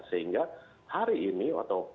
sehingga hari ini atau